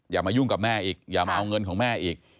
อย่ามายุ่งกับแม่อีกอย่ามาเอาเงินของแม่อีก